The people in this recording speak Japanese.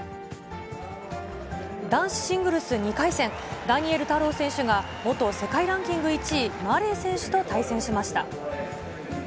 男子シングルス２回戦、ダニエル太郎選手が、元世界ランキング１位、マレー選手と対戦しました。